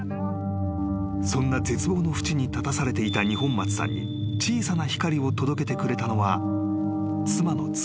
［そんな絶望の淵に立たされていた二本松さんに小さな光を届けてくれたのは妻の月恵さんだった］